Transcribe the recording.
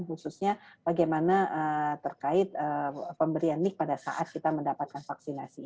khususnya bagaimana terkait pemberian nik pada saat kita mendapatkan vaksinasi